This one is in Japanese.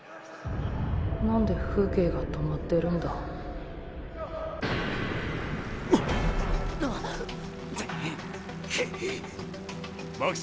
なんで風景が止まってるんだ巻島！